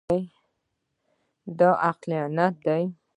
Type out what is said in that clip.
دا عقلانیت دی.